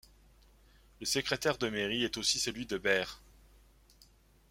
Le secrétaire de mairie est aussi celui de Beire.